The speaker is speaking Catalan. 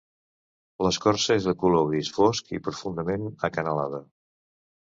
L'escorça és de color gris fosc i profundament acanalada.